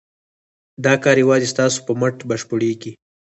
دا کار یوازې ستاسو په مټ بشپړېږي.